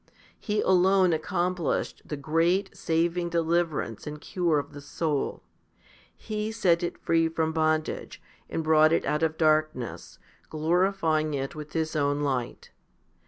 He alone accomplished the great, saving deliverance and cure of the soul. He set it free from bondage, and brought it out of darkness, glorifying it with His own light.